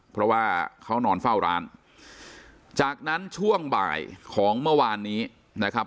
เพราะว่าเขานอนเฝ้าร้านจากนั้นช่วงบ่ายของเมื่อวานนี้นะครับ